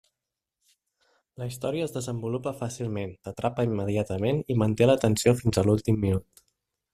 La història es desenvolupa fàcilment, t'atrapa immediatament i manté la tensió fins a l'últim minut.